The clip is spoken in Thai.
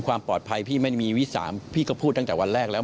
ความปลอดภัยพี่ไม่มีวิสามพี่ก็พูดตั้งแต่วันแรกแล้ว